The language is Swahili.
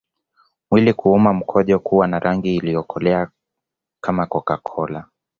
Mwili kuuma mkojo kuwa na rangi iliyokolea kama CocaCola